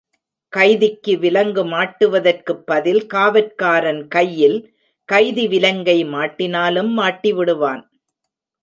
கைதிக்கு விலங்கு மாட்டுவதற்குப் பதில் காவற்காரன் கையில் கைதி விலங்கை மாட்டினாலும் மாட்டிவிடுவான்.